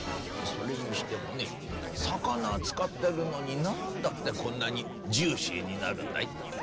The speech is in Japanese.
それにしてもね魚使ってるのになんだってこんなにジューシーになるんだい？